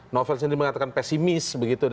novel sendiri mengatakan pesimis